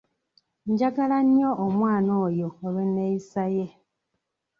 Njagala nnyo omwana oyo olw'enneeyisa ye.